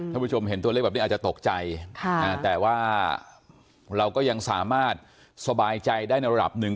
ผู้ชมเห็นตัวเลขแบบนี้อาจจะตกใจแต่ว่าเราก็ยังสามารถสบายใจได้ในระดับหนึ่ง